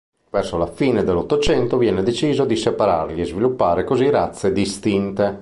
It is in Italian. Verso la fine dell'Ottocento venne deciso di separarli e sviluppare così razze distinte.